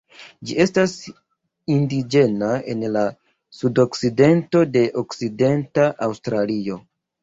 Ĝi estas indiĝena en la sudokcidento de Okcidenta Aŭstralio.